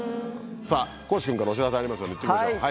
さぁ地君からお知らせありますよね言っときましょう。